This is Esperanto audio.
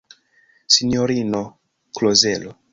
Sinjorino Klozelo!